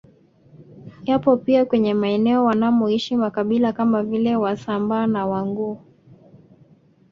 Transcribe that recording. Yapo pia kwenye maeneo wanamoishi makabila kama vile Wasambaa na Wanguu